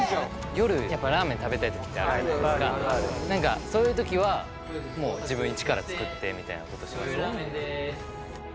夜やっぱラーメン食べたいときってあるじゃないですかそういうときは自分いちから作ってみたいなことします